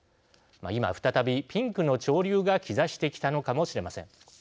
今、再びピンクの潮流が兆してきたのかもしれません。